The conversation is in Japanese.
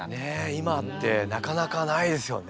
今ってなかなかないですよね。